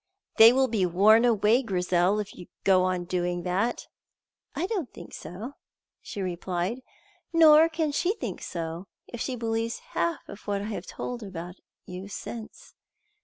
"They will be worn away, Grizel, if you go on doing that." "I don't think so," she replied, "nor can she think so if she believes half of what I have told her about you since.